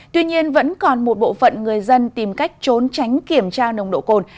tuy nhiên vẫn còn một bộ phận người dân tìm cách trốn tránh kiểm tra nồng độ cồn